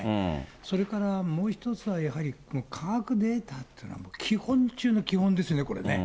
それからもう１つはやはり科学データっていうのは基本中の基本ですよね、これね。